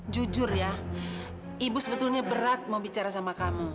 jujur ya ibu sebetulnya berat mau bicara sama kamu